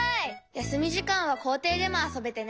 やすみじかんはこうていでもあそべてね。